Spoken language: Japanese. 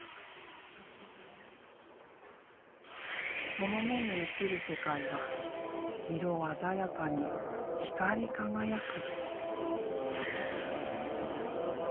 その目に映る世界は色鮮やかに光り輝く。